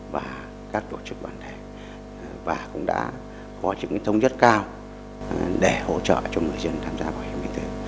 và các tổ chức đoàn thể và cũng đã có những thông nhất cao để hỗ trợ cho người dân tham gia bảo hiểm y tế